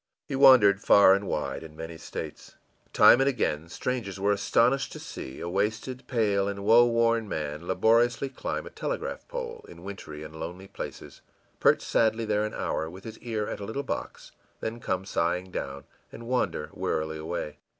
He wandered far and wide and in many states. Time and again, strangers were astounded to see a wasted, pale, and woe worn man laboriously climb a telegraph pole in wintry and lonely places, perch sadly there an hour, with his ear at a little box, then come sighing down, and wander wearily away.